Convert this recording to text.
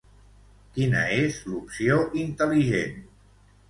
Quina és l'opció intel·ligent?